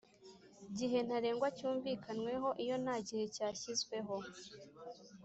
Gihe ntarengwa cyumvikanyweho iyo nta gihe cyashyizweho